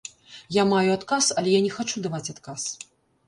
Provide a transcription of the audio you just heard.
Я маю адказ, але я не хачу даваць адказ.